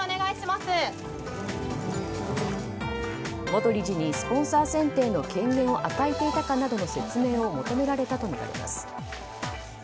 元理事にスポンサー選定の権限を与えていたかなどの説明を求められたということです。